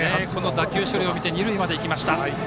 打球処理を見て二塁まで行きました。